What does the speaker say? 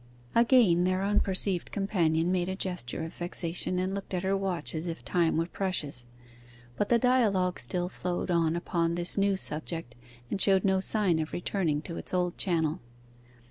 Again their unperceived companion made a gesture of vexation, and looked at her watch as if time were precious. But the dialogue still flowed on upon this new subject, and showed no sign of returning to its old channel.